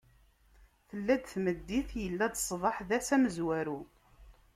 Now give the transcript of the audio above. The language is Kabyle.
Tella-d tmeddit, illa-d ṣṣbeḥ: d ass amezwaru.